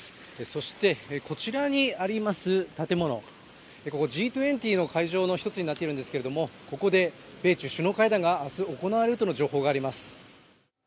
そしてこちらにあります建物、ここＧ２０の会場の一つになっているんですがここで米中首脳会談が明日行われるとの情報があります。